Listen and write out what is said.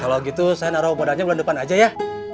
kalau gitu saya naruh modalnya bulan depan aja ya